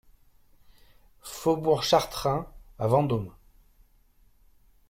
Faubourg Chartrain à Vendôme